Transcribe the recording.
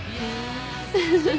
フフフ。